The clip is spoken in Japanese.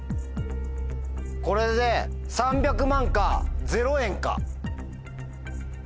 これで３００万かゼロ円か。